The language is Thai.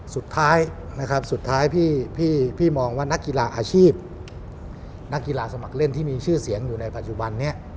สุดท้ายนะครับสุดท้ายพี่มองว่านักกีฬาอาชีพนักกีฬาสมัครเล่นที่มีชื่อเสียงอยู่ในปัจจุบันนี้